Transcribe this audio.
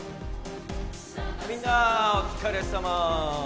みんなお疲れさま！